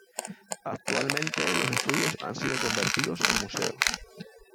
Actualmente los estudios han sido convertidos en museo.